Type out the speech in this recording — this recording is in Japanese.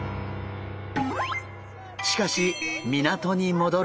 しかし港に戻ると。